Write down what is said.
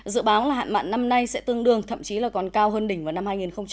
dự báo là hạn mặn năm nay sẽ tương đương thậm chí là còn cao hơn đỉnh vào năm hai nghìn hai mươi